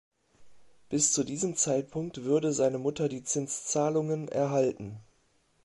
Bis zu diesem Zeitpunkt würde seine Mutter die Zinszahlungen erhalten.